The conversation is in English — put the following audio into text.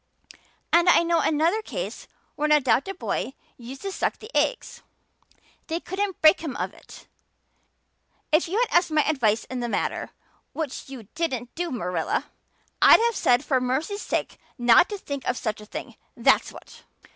And I know another case where an adopted boy used to suck the eggs they couldn't break him of it. If you had asked my advice in the matter which you didn't do, Marilla I'd have said for mercy's sake not to think of such a thing, that's what."